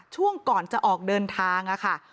ช่วงก่อนจะออกเดินทางค่ะ